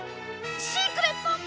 シークレット！